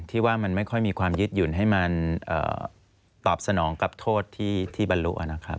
ที่ว่ามันไม่ค่อยมีความยึดหยุ่นให้มันตอบสนองกับโทษที่บรรลุนะครับ